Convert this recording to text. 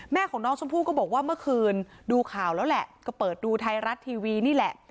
ของน้องชมพู่ก็บอกว่าเมื่อคืนดูข่าวแล้วแหละก็เปิดดูไทยรัฐทีวีนี่แหละ